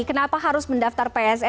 kenapa harus mendaftar psa